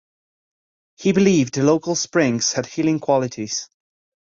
He believed the local springs had healing qualities.